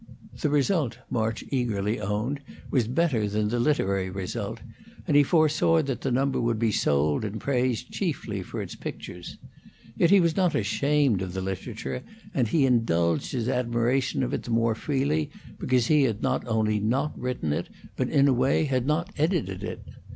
The result, March eagerly owned, was better than the literary result, and he foresaw that the number would be sold and praised chiefly for its pictures. Yet he was not ashamed of the literature, and he indulged his admiration of it the more freely because he had not only not written it, but in a way had not edited it.